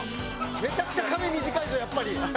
めちゃくちゃ髪短いぞやっぱり。